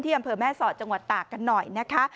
อำเภอแม่สอดจังหวัดตากกันหน่อยนะคะ